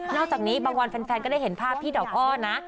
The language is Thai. อกจากนี้บางวันแฟนก็ได้เห็นภาพพี่ดอกอ้อนะ